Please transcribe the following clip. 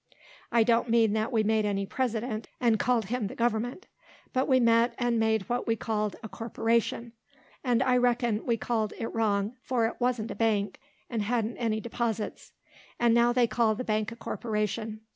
I don't mean that we made any president, and called him the "government," but we met and made what we called a corporation; and I reckon we called it wrong, for it wa'n't a bank, and hadn't any deposites; and now they call the bank a corporation.